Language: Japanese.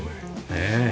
ねえ。